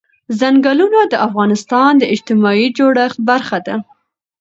ځنګلونه د افغانستان د اجتماعي جوړښت برخه ده.